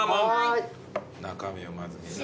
中身をまず。